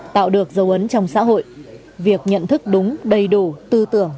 tạo được dấu ấn trong xã hội việc nhận thức đúng đầy đủ tư tưởng